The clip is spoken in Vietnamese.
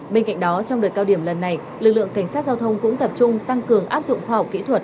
bên cạnh đó trong đợt cao điểm lần này lực lượng cảnh sát giao thông cũng tập trung tăng cường áp dụng khoa học kỹ thuật